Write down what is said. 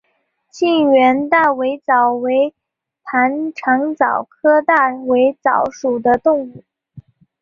近缘大尾蚤为盘肠蚤科大尾蚤属的动物。